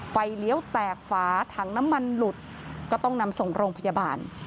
เลี้ยวแตกฝาถังน้ำมันหลุดก็ต้องนำส่งโรงพยาบาล